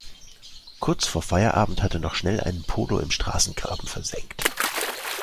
Kurz vor Feierabend hat er noch schnell einen Polo im Straßengraben versenkt.